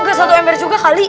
ke satu ember juga kali